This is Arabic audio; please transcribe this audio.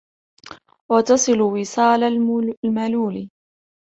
وَتَصِلُ وِصَالَ الْمَلُولِ